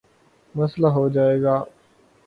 مسلہ ہو جائے گا